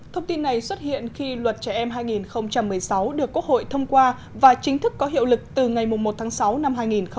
thông tin này xuất hiện khi luật trẻ em hai nghìn một mươi sáu được quốc hội thông qua và chính thức có hiệu lực từ ngày một tháng sáu năm hai nghìn một mươi chín